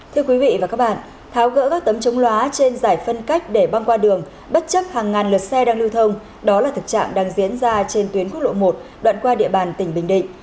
thưa quý vị và các bạn tháo gỡ các tấm chống lóa trên giải phân cách để băng qua đường bất chấp hàng ngàn lượt xe đang lưu thông đó là thực trạng đang diễn ra trên tuyến quốc lộ một đoạn qua địa bàn tỉnh bình định